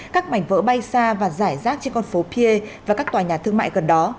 các mảnh vỡ bay xa và giải rác trên con phố pier và các tòa nhà thương mại gần đó